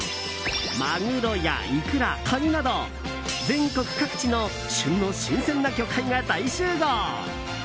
マグロやイクラ、カニなど全国各地の旬の新鮮な魚介が大集合！